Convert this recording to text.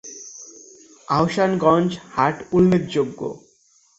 আহসানগঞ্জ হাট উল্লেখযোগ্য।